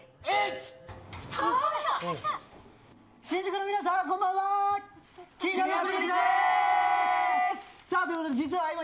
新宿の皆さん、こんばんは。